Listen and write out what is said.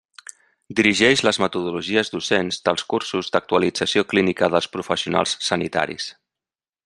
Dirigeix les metodologies docents dels cursos d'actualització clínica dels professionals sanitaris.